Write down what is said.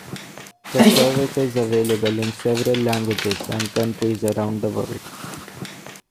The service is available in several languages and countries around the world.